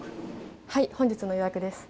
はい、本日の予約です。